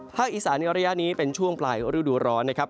อีสานในระยะนี้เป็นช่วงปลายฤดูร้อนนะครับ